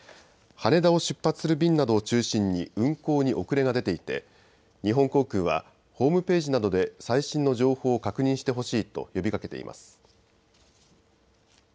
羽田を出発する便などを中心に運航に遅れが出ていて日本航空はホームページなどで最新の情報を確認してほしいと呼びかけています。